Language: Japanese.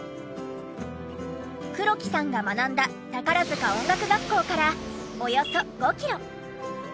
黒木さんが学んだ宝塚音楽学校からおよそ５キロ。